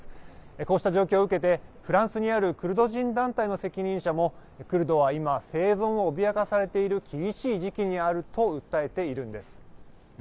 こうした状況を受けてフランスにあるクルド人団体の責任者もクルドは今、生存を脅かされている厳しい時期にあると訴えているんです。